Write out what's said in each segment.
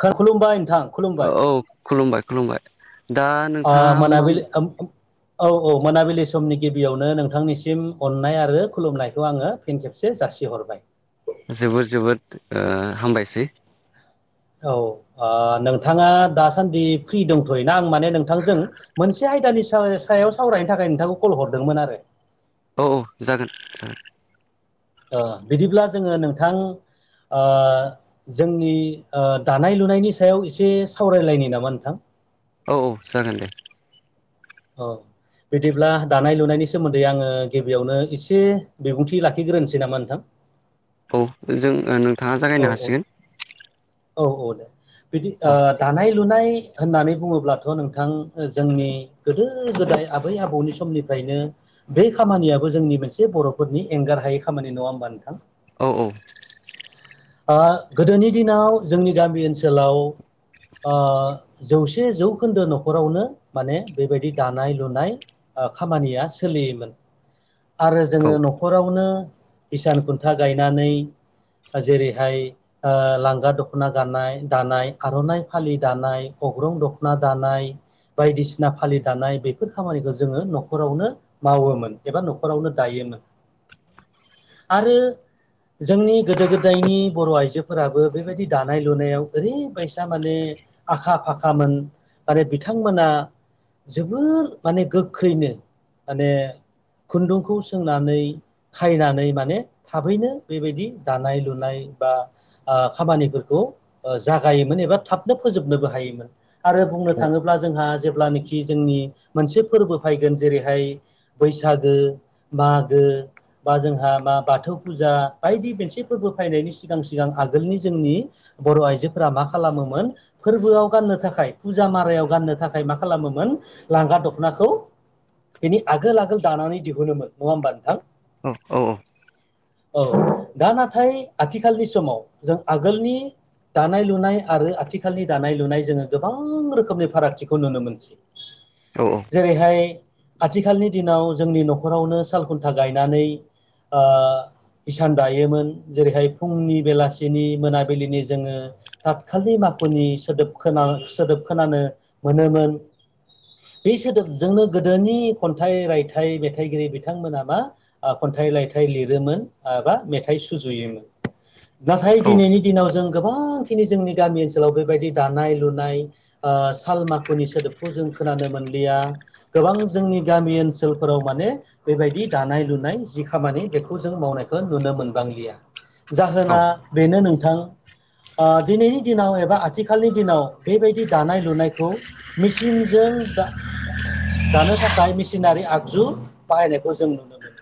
खुलुमबाय नोंथां औ खुलुमबाय औ खुलुमबाय खुलुमबाय। दा ओ नोंथाङा मा मोनाबिलि [unintelligible] औ औ मोनाबिलि समनि गिबियावनो नोंथांनिसिम अननाय आरो खुलुमनायखौ आङो फिन खेबसे जा जासि हरबाय। जोबोद जोबोद ओ हामबायसै। औ ओ नोंथाङा दासान्दि फ्रि दंथ'योना आं माने नोंथांजों मोनसे आय यदानि साव सायाव सावरायनो थाखाय नोंथांखौ कल हरदोंमोन आरो। औ औ जागोन जागोन। ओ बिदिब्ला जोङो नोंथां ओ जोंनि ओ दानाय लुनायनि सायाव एसे सावरायलायनि नामा नोंथां? औ औ जागोन दे। औ। बिदिब्ला दानाय लुनायनि सोमोन्दै आङो गिबियावनो एसे बिबुंथि लाखिग्रोनोसै नामा नोंथां? औ जों आनो औ औ औ औ दे। बिदि ओ औ दानाय लुनाय होननानै बुङोब्लाथ' नोंथां जोंनि गोदो गोदाय आबै आबौनि समनिफ्रायनो बे खामानियाबो जोंनि मोनसे बर'फोरनि एंगार हायै खामानि, नङा होमबा नोंथां? औ औ। ओ गोदोनि दिनाव जोंनि गामि ओनसोलाव ओ जौसे जौखोन्दो न'खरावनो माने बेबायदि दानाय लुनाय ओ खामानिया सोलियोमोन। आरो औ जोङो न'खरावनो इसान खुन्था गायनानै जेरैहाय लांगा दख'ना गानाय दानाय आर'नाइ फालि दानाय अग्रं दख'ना दानाय। बायदिसिना फालि दानाय बेफोर खामानिखौ जोङो न'खरावनो मावोमोन एबा न'खरावनो दायो मोन। आरो जोंनि गोदो गोद दायनि बर' आइजोफोराबो बेबायदि दानाय लुनायाव ओरैबायसा माने आखा फाखामोन आरो बिथांमोना। जोबोद माने गोख्रैनो माने खुन्दुंखौ सोंनानै खायनानै माने थाबैनो बेबायदि दानाय लुनाय बा खामानिफोरखौ जागायोमोन एबा थाबनो फोजोबनोबो हायोमोन। आरो बुंनो थाङोब्ला जोंहा जेब्ला नाखि जोंनि मोनसे फोरबो फैगोन जेरैहाय बैसागो मागो बा जोंहा मा बाथौ फुजा बायदि मोनसे फोरबो फैनायनि सिगां सिगां आगोलनि जोंनि बर' आइजोफोरा मा खालामोमोन फोरबोआव गाननो थाखाय थाखाय फुजा मारायाव गाननो थाखाय मा खालामोमोन लांगा दख'नाखौ बेनि आगोल आगोल दानानै दिहुनोमोन नङा होमबा नोंथां। औ औ औ। औ दा नाथाय आथिखालनि समाव जों आगोलनि दानाय लुनाय आरो आथिखालनि दानाय लुनाय जोङो गोबां रोखोमनि फारागथिखौ नुनो मोनसै औ जेरैहाय आथिखालनि दिनाव जोंनि न'खरावनो साल खुन्था गायनानै हिसान दायोमोन जेरैहाय फुंनि बेलासिनि मोनाबिलिनि जोङो थत खाालनि माखुनि सोदोब खोनां सोदोब खोनानो मोनोमोन बे सोदोबजोंनो गोदोनि खन्थाइ रायथाइ मेथाइगिरि बिथांमोना मा खन्थाइ मेथाइ रायथाइ लिरोमोन बा मेथाइ सुजुयोमोन नाथाय औ दिनैनि दिनाव जों गोबांखिनि जोंनि गामि ओनसोलाव बेबायदि दानाय लुनाय साल माखुनि सोदोबखौ जों खोनानो मोनलिया गोबां जोंनि गामि ओनसोलफोराव माने बेबायदि दानाय लुनाय जि खामानि बेखौ जों मावनायखौ नुनो मोनबांलिया जाहोना बेनो नोंथां दिनैनि दिनाव एबा आथिखालनि दिनाव बेबायदि दानाय लुनायखौ मेचिनजों दा दानो थाखाय मेसिनारि आगजु बाहायनायखौ जों नुनो मोनो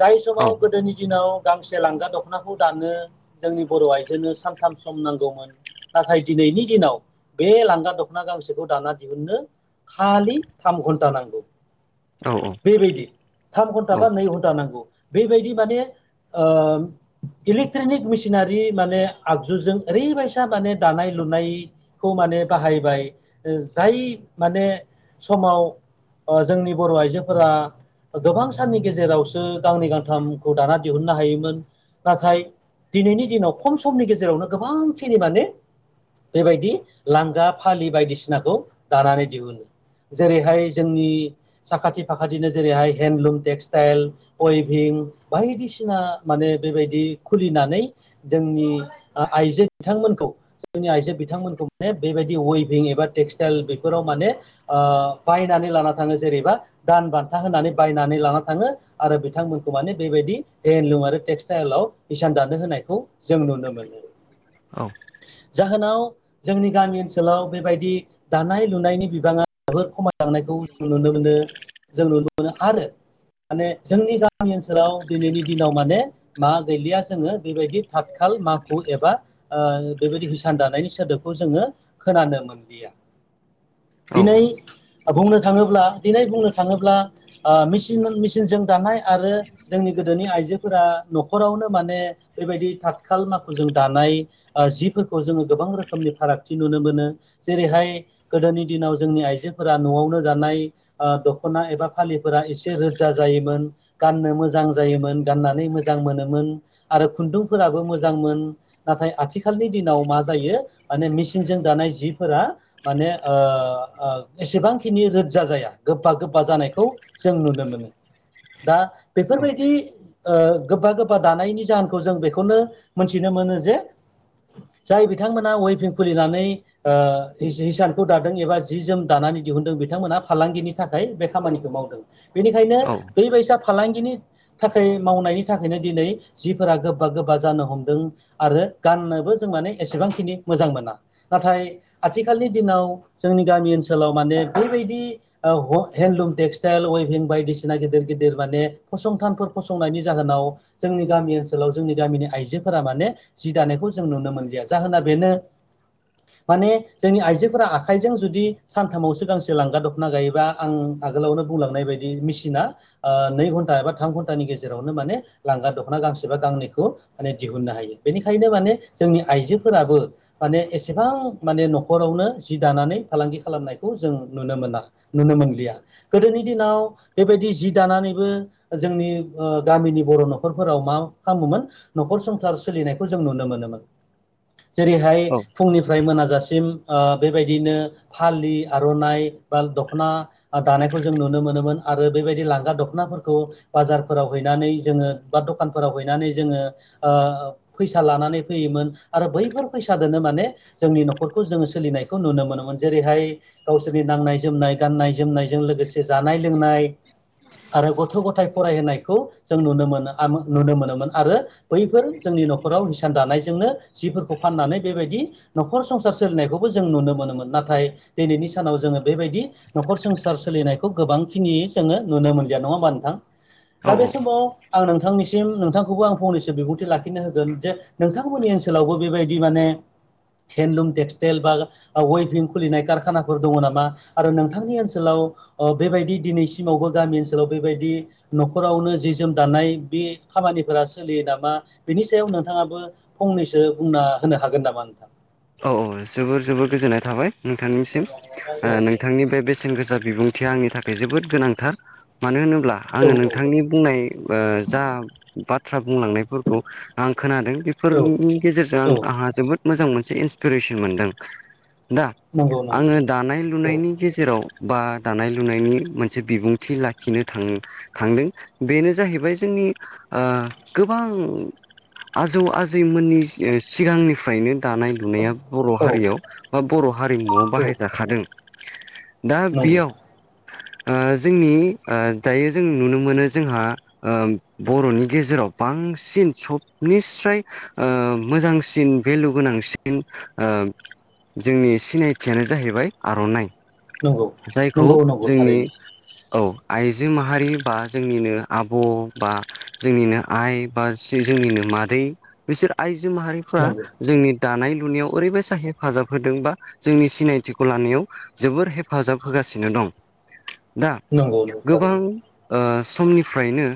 जाय समाव गोदोनि दिनाव गांसे लांगा दखान दख'नाखौ दानो जोंनि बर' आइजनो सानथाम सम नांगौमोन नाथाय दिनैनि दिनाव बे लांगा दख'ना गांसोखौ दाना दिहुननो खालि थाम घन्टा नांगौ बेबायदि थाम घन्टा औ बा नै घन्टा नांगौ बेबायदि माने इलेक्ट्रनिक मेसिनारि माने आगजुजों ओरैबायसा माने दानाय लुनायखौ माने बाहायबाय जाय माने समाव जोंनि बर' आइजोफोरा गोबां साननि गेजेरावसो गांनै गांथामखौ दाना दिहुननो हायोमोन नाथाय दिनैनि दिनाव खम समनि गेजेरावनो गोबांखिनि माने बेबायदि लांगा फालि बायदिसिनाखौ दानानै दिहुनो जेरैहाय जोंनि साखाथि फाखाथिनो जेरैहाय हेन्दलुम टेक्सटाइल अइभिं बायदिसिना माने बेबायदि खुलिनानै जोंनि आइजो बिथांमोनखौ जोंनि आइजो बिथांमोनखौ मे बेबायदि वेभिं एबा टेक्सटाइल बेफोराव माने बायनानै लाना थाङो जेरैबा दान बान्था होनानै बायनानै लाना थाङो आरो बिथांमोनखौ माने बेबायदि हन्दलुं आरो टेक्स ट्रलाव हिसान दानो होनायखौ जों नुनो मोनो औ जाहोनाव जोंनि गामि ओनसोलाव बेबायदि दानाय लुनायनि बिबाङा जोबोद खमायलांनायखौ नुनो मोनो जों नुनो मोनो आरो माने जोंनि गामि ओनसोलाव दिनैनि दिनाव माने मा गैलिया जोङो बेबायदि थाथखाल माखु एबा बेबायदि हिसान दानायनि सोदोबखौ जोङो खोनानो मोनलिया दिनै बुंनो थाङोब्ला दिनै बुंनो थाङोब्ला मिसिनजों दानाय आरो जोंनि गोदोनि आइ आइजोफोरा न'खरावनो माने बेबायदि थाथखाल माखुजों दानाय जिफोरखौ जोङो गोबां रोखोमनि फारागथि नुनो मोनो जेरैहाय गोदोनि दिनाव जोंनि आइजोफोरा न'आवनो दानाय दख'ना एबा फालिफोरा एसे रोजा जायोमोन गाननो मोजां जायोमोन गाननानै मोजां मोजां मोनोमोन आरो खुन्दुंफोराबो मोजांमोन नाथाय आथिखालनि दिनाव मा जायो माने मेसिनजों दानाय जिफोरा माने एसेबांखिनि रोदजा जाया गोबा गोबा जानायखौ जों नुनो मोनो दा बेफोरबायदि गोबा गोबा दानायनि जाहोनखौ जों बेखौनो मोनथिनो मोनो जे जाय बिथांमोना वेभिं खुलिनानै हिसानखौ दादों एबा जि जोम दानानै दिहुनदों बिथांमोना फालांगिनि थाखाय बे खामानिखौ मावदों बेनिखायनो दै बसा फालांगिनि थाखाय मावनायनि नि थाखायनो दिनै जिफोरा गोबा गोबा जानो हमदों आरो गाननोबो जों माने एसेबांखिनि। मोजां मोना। हलुम टेक्सल वभिं बायदिसिना गिदिर गिदिर माने फसंथानफोर फसंनायनि। जाहोनाव जोंनि गामि ओनसोलाव जोंनि गामिनि। [inaudible] माने जोंनि आइजोफोरा आखाइजों जुदि सानथामावसो गांसे लांगा दखना गायोब्ला। आगोलावनो बुंलांनाय बायदि मिेसिना नै घन्टा एबा थाम घन्टानि गेजेर। जेरावनो माने लांगा दख'ना गांसेबा गांनैखौ माने दिहुननो हायो बेनिखायनो माने जोंनि आइजो। फोराबो माने एसेबां माने न'खरावनो जि दानानै। [inaudible] गामिनि बर' न'खरफोराव। [inaudible] जेरैहाय फुंनिफ्राय मोनाजासिम। बेबायदिनो फालि आर'नाइ बा दख'ना दानायखौ जों नुनो मोनोमोन आरो बेबायदि लांगा दख'नाफोरखौ बाजार। फोराव हैनानै। आरो बैफोर फैसादोनो माने जोंनि न'खरखौ जोङो सोलिनायखौ नुनो मोनोमोन जेरैहाय गावसोरनि। नाय जोमनाय गाननाय जोमनायजों लोगोसे जानाय लोंनाय आरो गथ' गथाय फरायहोनाय नुनो मोनोमोन आरो बैफोर जोंनि न'खराव हिसान दानायजोंनो। फोरखौ फाननानै बेबायदि न'खर संसार सोलिनायखौबो जों नुनो मोनोमोन नाथाय दिनैनि सानाव जोङो। बेबायदि न'खर संसार सोलिनायखौ गोबांखिनि जोङो नुनो मोनलिया नङा होमा नोंथां। दा बे समाव आं नोंथां। नोंथांनिसिम नोंथांखौबो आं फंनैसो बिबुंथि लाखिनो होगोन जे नोंथांमोननि ओनसोलावबो बेबायदि माने। हेन्दलुम टेक्सटाइल बा वेभिं खुलिनाय कारखानाफोर दङ नामा आरो नोंथांनि ओनसोलाव। बेबायदि दिनैसिमावबो गामि ओनसोलाव बेबायदि। न'खरावनो जि जोम दानाय बे खामानिफोरा सोलियो नामा बेनि सायाव नोंथाङाबो। फंनैसो बुंना होनो हागोन नामा नोंथां। औ औ जोबोर जोबोर गोजोननाय थाबाय। नोंथांनिसिम नोंथांनि बे बेसेन गोसा बिबुं। या आंनि थाखाय जोबोद गोनांथार मानो होनोब। औ आङो नोंथांनि बुंनाय जा बाथ्रा। बुंलांनायफोरखौ आं खोनादों औ बेफोरनि गेजेरजों आं औ आंहा जोबोद मोजां मोनसे। एसे इन्सपिरेसन मोनदों दा नंगौ नंगौ आङो दानाय औ लुनायनि गेजेराव। बा दानाय लुनायनि मोनसे बिबुंथि लाखिनो थां थांदों बेनो जाहैबाय जों गोबां। आजौ आजैमोननि सिगांनिफ्रायनो दानाय। नुनाया बर' औ हारियाव बा बर' हारिमुआव बाहायजाखादों दा नंगौ बेयाव। जोंनि दायो जों नुनो मोनो जोंहा बर'नि गेजेराव। बांसिन सबनिस्र मोजांसिन भेलु गोनांसिन। जोंनि सिनायथियानो जाहैबाय आर'नाइ। नंगौ जायखौ नंगौ नंगौ जोंनि। थारैनो औ आइजो माहारि बा जोंनिनो आब' बा जोंनिनो आइ बा। जोंनिनो मादै बिसोर आइजो माहारिफ्रा नंगौ जोंनि। दानाय लुनायाव ओरैबायसा हेफाजाब होदों बा जोंनि सिनायथिखौ लानायाव जोबोर हेफाजाब होगासिनो। [inaudible] गोबां [unintelligible] समनिफ्रायनो।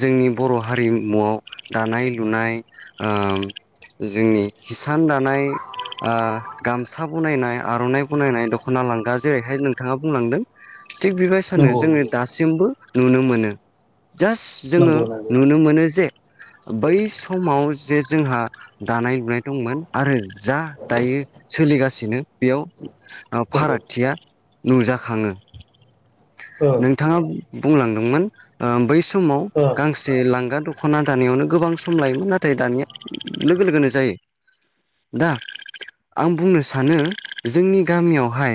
जोंनि बर' हारिमुआव दानाय लुनाय। जोंनि किसान दानाय गामसा। बानायनाय आर'नाइ बानायनाय दख'ना लांगा जेरैहाय नोंथाङा बुंलांदों थिग बेबायदिनो नंगौ जोङो नंगौ दासिमबो नुनो मोनो जास्ट जोङो नंगौ नंगौ नुनो मोनो जे बै समाव जे जोंहा दानाय लुनाय दंमोन आरो जा दायो सोलिगासिनो बेयाव नंगौ फारागथिया नुजाखाङो ओ नोंथाङा बुंलांदोंमोन बै समाव ओ गांसे लांगा द दख'ना दानायावनो गोबां सम लायोमोन नाथाय दानिया लोगो लोगोनो जायो दा आं बुंनो सानो जोंनि गामियावहाय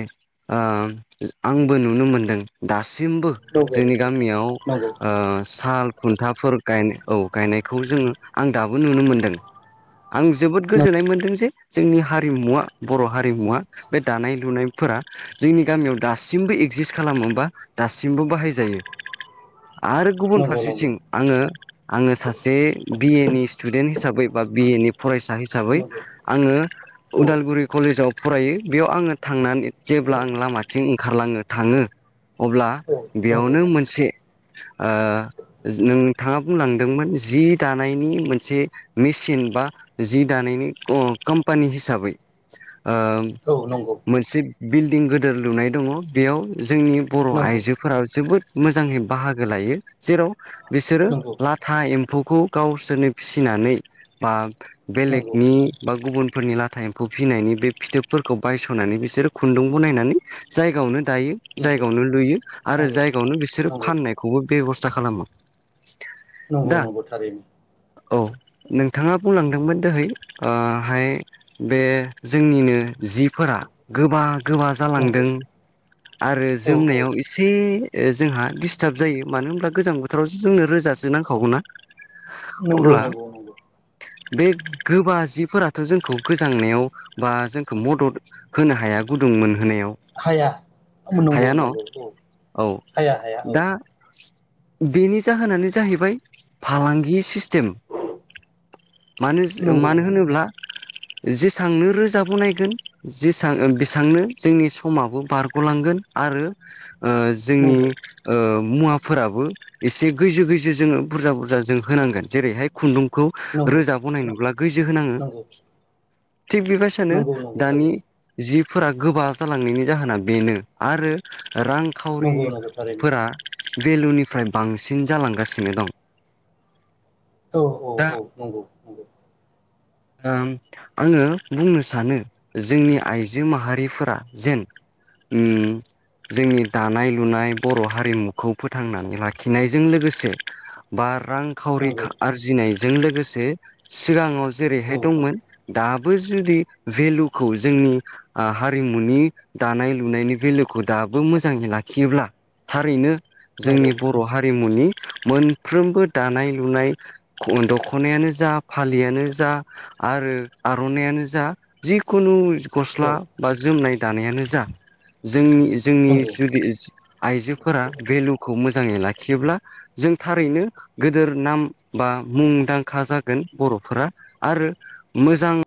आंबो नुनो मोनदों दासिम दासिमबो नंगौ जोंनि गामियाव नंगौ साल खुन्थाफोर गायनायखौ जोङो आं दाबो नुनो मोनदों आं जोबोद गोजोननाय मोनदों जे जोंनि हारिमुवा बर' हारिमुवा बे दानाय लुनायफोरा जोंनि गामियाव दासिमबो एगजिस्ट खालामो होनबा दासिमबो बाहायजायो आरो गुबुन नंगौ नंगौ फारसेथिं आङो आङो सासे बिए नि स्टुडेन्ट हिसाबै बा बिए नि फरायसा फरायसा हिसाबै नंगौ आङो औ उदालगुरि कलेजाव फरायो बेयाव आङो थांनानै औ जेब्ला आं लामाथिं ओंखारलाङो थाङो अब्ला औ नंगौ बेयावनो मोनसे नोंथाङा बुंलांदोंमोन जि दानायनि मोनसे मेचिन बा जि दानायनि कम्पानि हिसाबै औ नंगौ मोनसे बिल्डिं गिदिर लुनाय दङ बेयाव जोंनि बर' नंगौ आइजोफोरा जोबोद मोजाङै बाहागो लायो जेराव बिसोरो नंगौ लाथा एम एम्फौखौ गावसोरनो फिसिनानै बा नंगौ बेलेगनि बा गुबुन फोरनि लाथा एम्फौ फिसिनायनि बे फिथोबफोरखौ बायस'नानै बिसोरो खुन्दुंखौ बनायनानै जायगायावनो दायो जायगायावनो लुयो आरो नंगौ जायगायावनो बिसोरो नंगौ फाननायखौबो बेब'स्था खालामो। नंगौ दा नंगौ थारैनो। औ नोंथाङा बुंलांदोंमोन दोहैहाय बे जोंनिनो जिफोरा गोबां गोबा नंगौ जालांदों आरो औ औ जोमनायाव एसे जोंहा दिस्टार्ब जायो मानो होना गोजां बोथोरावसो जोंनो रोजासो नांखागौ ना नंगौ नंगौ नंगौ। बेग गोबा जिफोराथ' जोंखौ गोजांनायाव बा जोंखौ मदद होनो हाया गुदुंमोन होनायाव हाया नंगौ हाया न' नंगौ औ औ हाया हाया औ दा बेनि जाहोनानो जाहैबाय फालांगि सिस्टेम सिस्टेम मानो नंगौ मानो नंगौ होनोब्ला जेसबांनो रोजाबो बानायगोन बेसेबांनो जोंनि समाबो बारग'लांगोन आरो जोंनि नंगौ मुवाफोराबो बु एसे गैजो गैजो जोङो बुरजा बुरजा जों होनांगोन जेरैहाय खुन्दुं खौ नंगौ रोजा बानायनोब्ला गोजो होनाङो। नंगौ थिग बेबायसानो नंगौ नंगौ दानि थारैनो जि फोरा गोबा जालांनायनि जाहोना बेनो आरो नंगौ नंगौ थारैनो रांखावरिफोरा भेलुनिफ्राय बांसिन जालांगासिनो दं। औ औ दा औ नंगौ नंगौ। आङो बुंनो सानो जोंनि आइजो माहारिफोरा जेन उम जोंनि दानाय लुनाय बर' हारिमुखौ फोथांनानै लाखिनायजों लोगोसे बार रांखावरि नंगौ आरजिनायजों लोगोसे सिगाङाव औ जेरैहाय दंमोन दा। ब जुदि भेलुखौ जोंनि हारिमुनि दानाय लुनायनि भेलुखौ दा आबो मोजाङै लाखियोब्ला थारैनो नंगौ जोंनि बर' हारिमुनि मोनफ्रोमबो दानाय लुनाय। खुन दख'नायानो जा फालियानो जा आरो आर'नायानो जा जिखुनु गस्ला औ बा जोमनाय दानायानो जा। जोंनि जोंनि नंगौ जुदि आइजोफोरा भेलुखौ मोज मोजाङै लाखियोब्ला जों थारैनो गोदोर नाम बा मुंदांखा जागोन बर'फोरा आरो मोजां